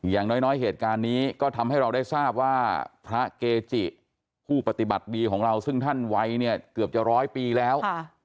อย่างน้อยเหตุการณ์นี้ก็ทำให้เราได้ทราบว่าพระเกจิผู้ปฏิบัติดีของเราซึ่งท่านวัยเนี่ยเกือบจะร้อยปีแล้ว